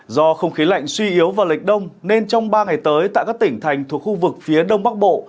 do không khí lạnh suy yếu vào lịch đông nên trong ba ngày tới tại các tỉnh thành thuộc khu vực phía đông bắc bộ